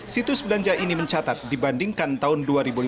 situs belanja ini mencatat dibandingkan tahun dua ribu lima belas